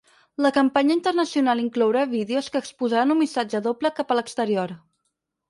La campanya internacional inclourà vídeos que exposaran un missatge doble cap a l’exterior.